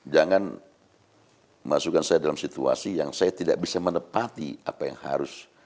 jangan masukkan saya dalam situasi yang saya tidak bisa menepati apa yang harus